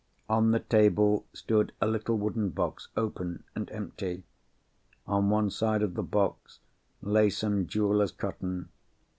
On the table stood a little wooden box, open, and empty. On one side of the box lay some jewellers' cotton.